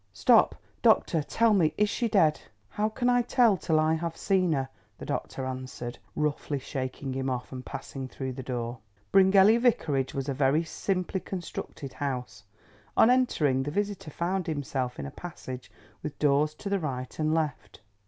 Stop, doctor, tell me, is she dead?" "How can I tell till I have seen her?" the doctor answered, roughly shaking him off, and passing through the door. Bryngelly Vicarage was a very simply constructed house. On entering the visitor found himself in a passage with doors to the right and left.